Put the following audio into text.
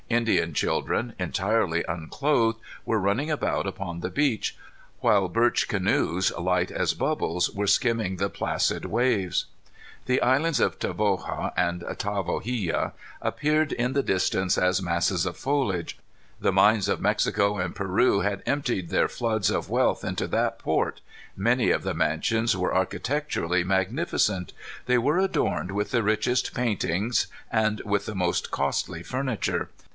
Indian children, entirely unclothed, were running about upon the beach, while birch canoes, light as bubbles, were skimming the placid waves. The islands of Tavoga and Tavogilla appeared in the distance as masses of foliage. The mines of Mexico and Peru had emptied their floods of wealth into that port. Many of the mansions were architecturally magnificent. They were adorned with the richest paintings and with the most costly furniture.